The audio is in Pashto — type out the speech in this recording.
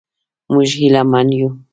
موږ هیله من یو.